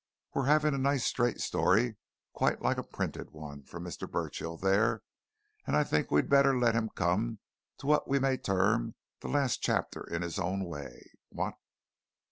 We're having a nice, straight story quite like a printed one! from Mr. Burchill there, and I think we'd better let him come to what we may term the last chapter in his own way what?"